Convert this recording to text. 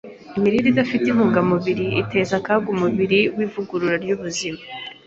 Imirire idafite intungamubiri iteza akaga umurimo w’ivugurura ry’ubuzima.